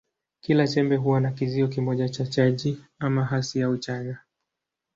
Kila chembe huwa na kizio kimoja cha chaji, ama hasi au chanya.